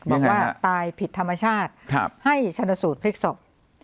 บอกว่าตายผิดธรรมชาติให้ชนสูตรพลิกศพ